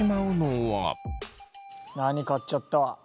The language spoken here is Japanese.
何買っちゃった？